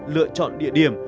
lựa chọn địa điểm